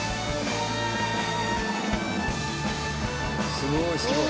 「すごいすごい！」